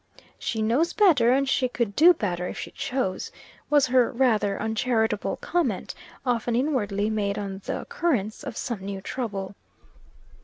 "She knows better, and she could do better, if she chose," was her rather uncharitable comment, often inwardly made on the occurrence of some new trouble.